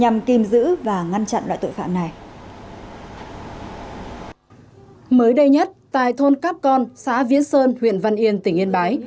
mới đây nhất tại thôn cáp con xã viễn sơn huyện văn yên tỉnh yên bái